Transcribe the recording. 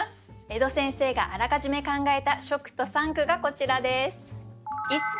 江戸先生があらかじめ考えた初句と三句がこちらです。